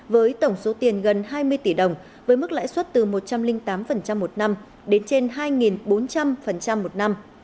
với tổng số tiền gần hai mươi tỷ đồng với mức lãi suất từ một trăm linh tám một năm đến trên hai bốn trăm linh một năm